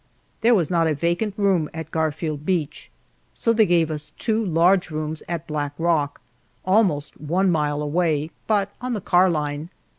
There was not a vacant room at Garfield Beach, so they gave us two large rooms at Black Rock almost one mile away, but on the car line.